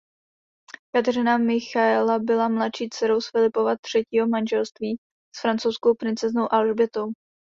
Kateřina Michaela byla mladší dcerou z Filipova třetího manželství s francouzskou princeznou Alžbětou.